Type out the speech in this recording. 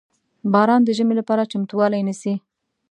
• باران د ژمي لپاره چمتووالی نیسي.